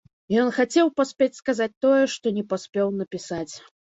Ён хацеў паспець сказаць тое, што не паспеў напісаць.